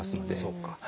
そうか。